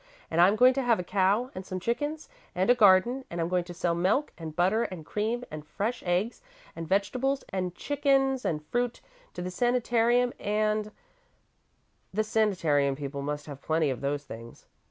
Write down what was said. And I'm going to have a cow and some chickens and a garden, and I'm going to sell milk and butter and cream and fresh eggs and vegetables and chickens and fruit to the sanitarium, and " "The sanitarium people must have plenty of those things."